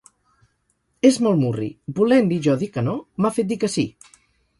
És molt murri: volent-li jo dir que no, m'ha fet dir que sí.